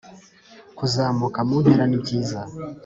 kuzamuka mu ntera ni byiza